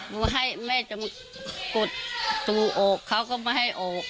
ว่าให้แม่จะมากดตูออกเขาก็ไม่ให้ออก